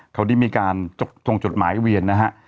เขาได้มีการส่งจดหมายเวียนนะฮะ